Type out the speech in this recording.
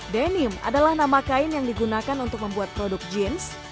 denim adalah nama kain yang digunakan untuk membuat produk jeans